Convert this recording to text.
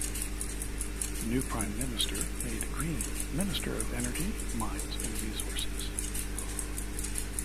The new Prime Minister made Greene Minister of Energy, Mines and Resources.